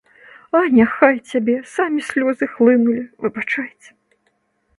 А няхай цябе, самі слёзы хлынулі, выбачайце.